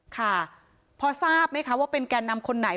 ค่ะพอทราบไหมคะว่าเป็นแก่นำคนไหน